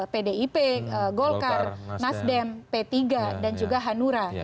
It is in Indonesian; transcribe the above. pdip golkar nasdem p tiga dan juga hanura